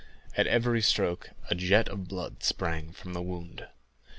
At every stroke a jet of blood sprang from the wound.